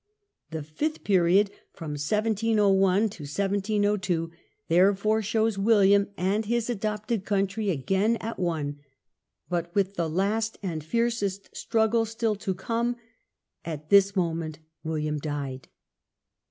The fifth period (1701 1 702) therefore shows us William and his adopted country again at one, but with the last and fiercest struggle still to come. At this moment William died.